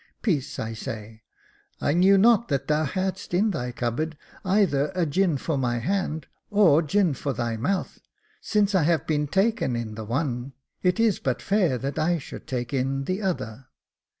Peace, I say: I knew not that thou hadst in thy cupboard either a gin for my hand, or gin for thy mouth ; since I have been taken in the one, it is but fair that I should take in the other.